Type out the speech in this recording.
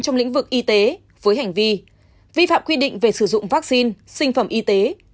trong lĩnh vực y tế với hành vi vi phạm quy định về sử dụng vaccine sinh phẩm y tế